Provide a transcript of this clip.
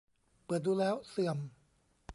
เปิดดูแล้วเสื่อม